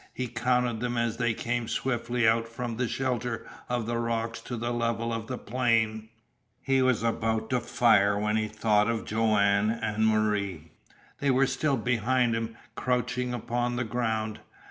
He counted them as they came swiftly out from the shelter of the rocks to the level of the plain. He was about to fire when he thought of Joanne and Marie. They were still behind him, crouching upon the ground.